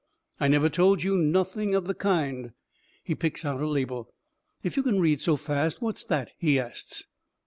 "I never told you nothing of the kind." He picks out a label. "If you can read so fast, what's that?" he asts.